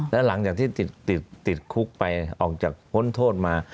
แล้วหลังจากที่ติดคุกไปออกจากพ้นโทษมา